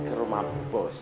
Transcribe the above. ke rumah bos